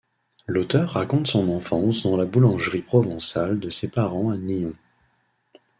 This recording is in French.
L'auteur raconte son enfance dans la boulangerie provençale de ses parents à Nyons.